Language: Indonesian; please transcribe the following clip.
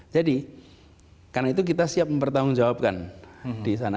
jadi karena itu kita siap mempertahankan jawabannya